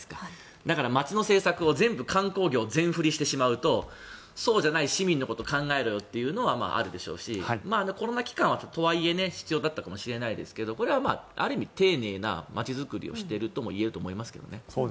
だから街の政策を全部観光業に全振りしてしまうとそうじゃない市民のことを考えろよっていうのはあるでしょうしコロナ期間は、とはいえ必要だったかもしれないですがこれはある意味丁寧な街づくりをしているとも言えると思いますけどね。